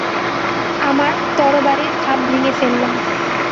আমার তরবারীর খাপ ভেঙ্গে ফেললাম।